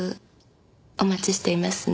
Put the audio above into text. お待ちしていますね。